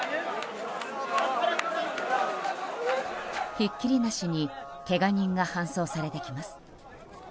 ひっきりなしにけが人が搬送されてきます。